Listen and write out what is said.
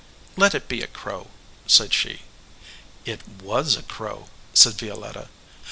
"Let it be a crow," said she. "It was a crow," said Violetta.